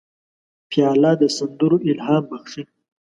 پیاله د سندرو الهام بخښي.